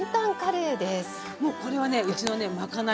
もうこれはねうちのね賄い。